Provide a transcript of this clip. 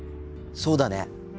そうだね。